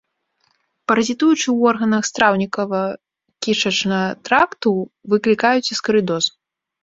Паразітуючы ў органах страўнікава-кішачнага тракту, выклікаюць аскарыдоз.